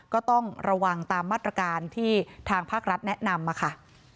ก็ต้องระวังตามมาตรการที่ทางภาครัฐแนะนำมาค่ะ